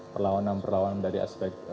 perlawanan perlawanan dari aspek